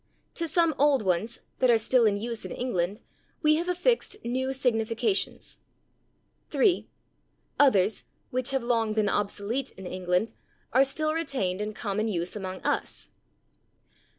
"To some old ones, that are still in use in England, we have affixed new significations." 3. "Others, which have long been obsolete in England, are still retained in common use among us."